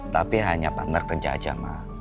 tapi hanya partner kerja aja ma